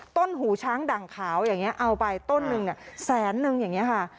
หูช้างดั่งขาวอย่างนี้เอาไปต้นนึงเนี่ยแสนนึงอย่างนี้ค่ะ